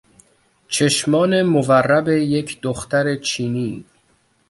چشمان مورب یک دختر چینی